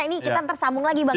ini kita tersambung lagi bang